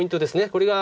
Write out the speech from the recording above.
これが。